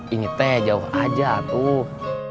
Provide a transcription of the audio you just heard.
inget teh jauh aja tuh